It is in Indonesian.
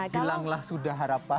hilanglah sudah harapan